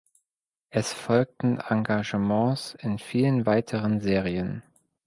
Es folgten Engagements in vielen weiteren Serien.